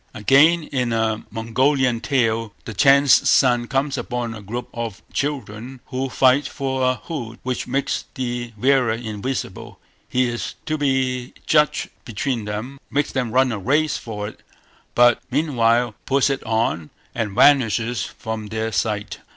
Again, in a Mongolian tale, the Chan's son comes upon a group of children who fight for a hood which makes the wearer invisible; he is to be judge between them, makes them run a race for it, but meanwhile puts it on and vanishes from their sight.